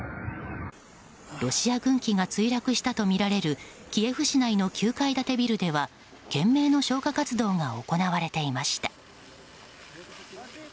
ロシア軍機が墜落したとみられるキエフ市内の９階建てビルでは懸命の消火活動が行われていました。